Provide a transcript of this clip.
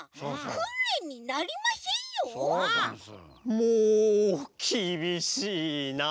もうきびしいなあ！